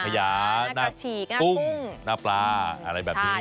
ขยาหน้ากระฉีกหน้าปุ้งหน้าปลาอะไรแบบนี้